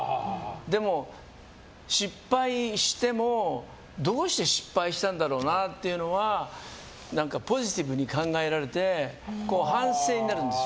でも、失敗してもどうして失敗したんだろうなっていうのはポジティブに考えられて反省になるんです。